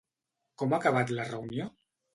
Com ha acabat la reunió?